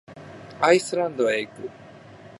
アイスランドへ行く。